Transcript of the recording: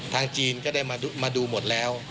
จีนก็ได้มาดูหมดแล้ว